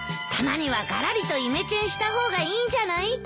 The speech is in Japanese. たまにはがらりとイメチェンした方がいいんじゃない？